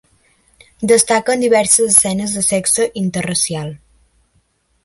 Destaca en diverses escenes de sexe interracial.